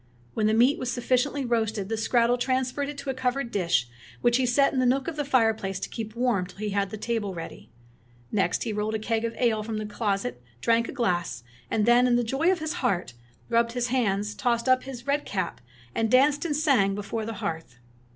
When the meat was suf ficiently roasted the skrattel transferred it to a covered dish, which he set in a nook of the fireplace to keep warm till he had the table ready. Next he rolled a keg of ale from the closet, drank a glass, and then, in the joy of his heart, rubbed his hands, tossed up his red cap, and danced and sang before the hearth.